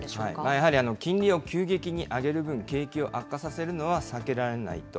やはり金利を急激に上げる分、景気を悪化させるのは避けられないと。